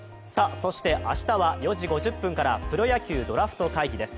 そして明日は４時５０分からプロ野球ドラフト会議です。